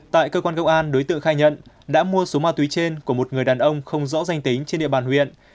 tại cơ quan công an đối tượng khai nhận đã mua số ma túy trên của một người đàn ông không rõ danh tính trên địa bàn huyện